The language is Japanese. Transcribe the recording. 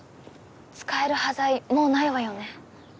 使える端材もうないわよね。